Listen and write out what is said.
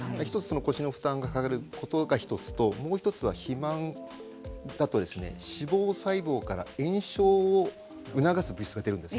腰の負担を和らげることが１つともう１つは肥満だと脂肪細胞から炎症を促す物質が出るんです。